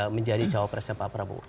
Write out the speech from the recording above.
menjadi jawab presiden pak prabowo